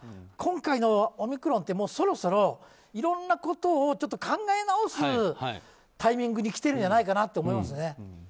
今回のオミクロンって、そろそろいろんなことを考え直すタイミングに来てるんじゃないかと思いますね。